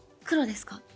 黒ですか？